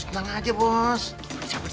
terima kasih bro